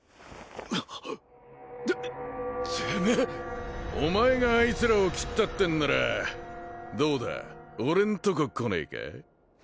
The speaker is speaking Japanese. ててめえお前があいつらを切ったってんならどうだ俺んとこ来ねえか？